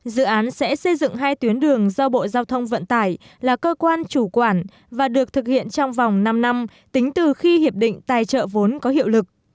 dự án sẽ xây dựng hai tuyến đường do bộ giao thông vận tải là cơ quan chủ quản và được thực hiện trong vòng năm năm tính từ khi hiệp định tài trợ vốn có hiệu lực